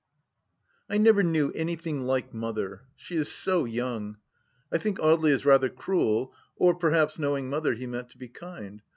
I NEVER knew anything like Mother 1 She is so young ! I think Audely is rather cruel, or perhaps, knowing Mother, he meant to be kind